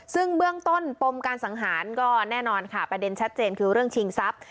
ซึ่งเบื้องต้นปมการสังหารก็แน่นอนค่ะประเด็นชัดเจนคือเรื่องชิงทรัพย์